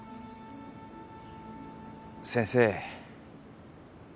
先生。